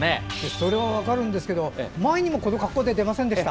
それは分かるんですけど前にもこの格好で出ませんでした？